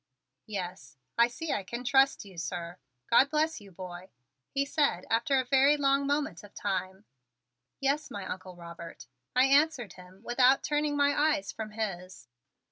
"Yes, I see I can trust you, sir. God bless you, boy!" he said after a very long moment of time. "Yes, my Uncle Robert," I answered him without turning my eyes from his.